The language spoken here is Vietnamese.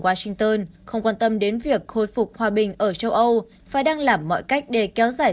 washington không quan tâm đến việc khôi phục hòa bình ở châu âu và đang làm mọi cách để kéo dài